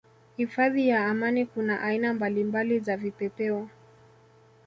Hifadhi ya Amani kuna aina mbalimbali za vipepeo